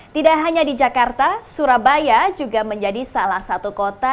tidak hanya di jakarta surabaya juga menjadi salah satu kota